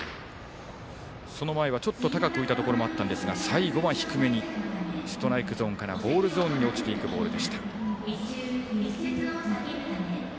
その前はちょっと高く浮いたところもあったんですが最後は低めにストライクゾーンからボールゾーンに落ちていくボールでした。